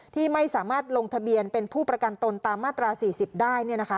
ที่ไม่สามารถลงทะเบียนเป็นผู้ประกันตนตามมาตรา๔๐ได้